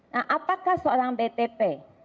nah apakah seorang btp